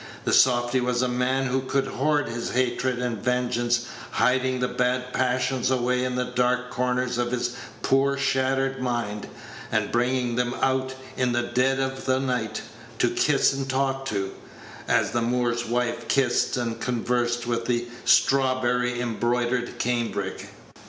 The softy was a man who could hoard his hatred and vengeance, hiding the bad passions away in the dark corners of his poor shattered mind, and bringing them out in the dead of the night to "kiss and talk to," as the Moor's wife kissed and conversed with the strawberry embroidered cambric.